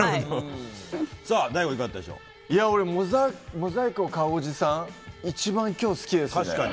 モザイクをかうおじさん、一番今日好きですね。